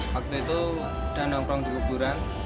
waktu itu udah nongkrong di kuburan